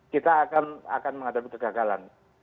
kita akan menghadapi kegagalan